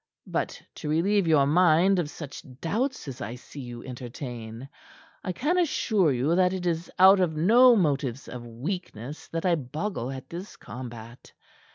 "But to relieve your mind of such doubts as I see you entertain, I can assure you that it is out of no motives of weakness that I boggle at this combat.